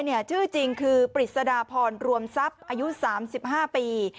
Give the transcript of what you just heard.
ชื่อจริงคือปริศดาพรรวมทรัพย์อายุ๓๕ปี